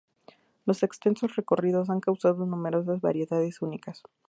Los extensos recorridos han causado numerosas variedades únicas.